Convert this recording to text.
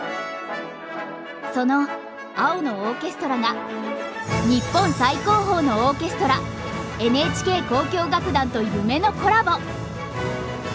その「青のオーケストラ」が日本最高峰のオーケストラＮＨＫ交響楽団と夢のコラボ！